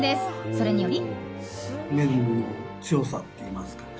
それにより。